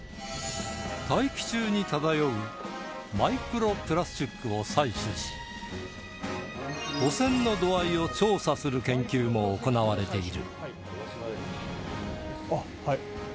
大気中に漂うマイクロプラスチックを採取し汚染の度合いを調査する研究も行われている